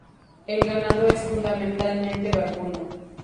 El ganado es fundamentalmente vacuno.